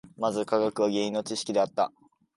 まず科学は原因の知識であった。